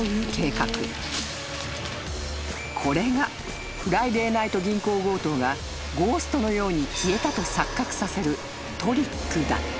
［これがフライデーナイト銀行強盗がゴーストのように消えたと錯覚させる］